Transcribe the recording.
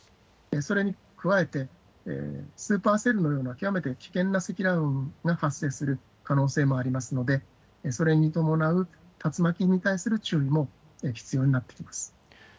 それに加えて、スーパーセルのような極めて危険な積乱雲が発生する可能性もありますので、それに伴う、竜巻に対する注意も必要になってきます。